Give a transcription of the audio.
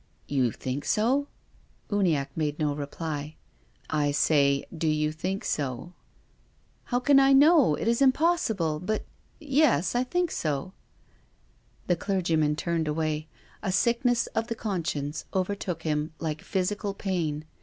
" You think so ?" Uniacke made no reply. " I say, do you think so ?"" How can I know? It is impossible. But — yes, I think so." The clergyman turned away. A sickness of the conscience overtook him like physical pain.